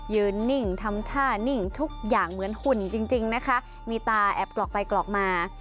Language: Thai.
นิ่งทำท่านิ่งทุกอย่างเหมือนหุ่นจริงจริงนะคะมีตาแอบกรอกไปกรอกมา